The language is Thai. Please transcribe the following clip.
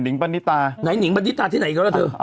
ไหนนิ่งบรรดิตาที่ไหนกันแล้วเถอะ